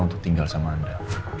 untuk tinggal sama anda